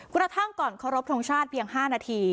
กระทั่งก่อนเคารพทงชาติเพียง๕นาที